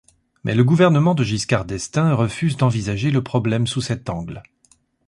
Mais le gouvernement de Giscard d'Estaing refuse d'envisager le problème sous cet angle.